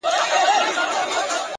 د کوڅې پای کې تیاره تل ژوروالی لري